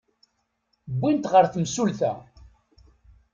Wwin-t ɣer temsulta.